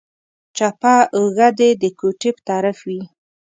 چپه اوږه دې د کوټې په طرف وي.